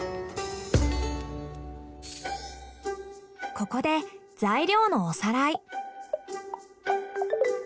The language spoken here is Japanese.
ここで材料のおさらい。